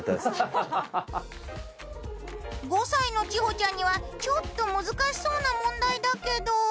５歳の千穂ちゃんにはちょっと難しそうな問題だけど。